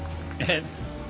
えっ？